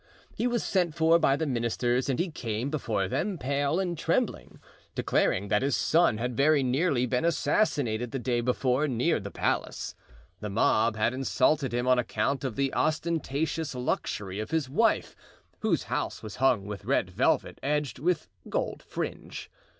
He was sent for by the ministers and he came before them pale and trembling, declaring that his son had very nearly been assassinated the day before, near the palace. The mob had insulted him on account of the ostentatious luxury of his wife, whose house was hung with red velvet edged with gold fringe.